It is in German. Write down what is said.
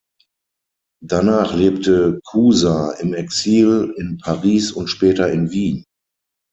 Danach lebte Cuza im Exil in Paris und später in Wien.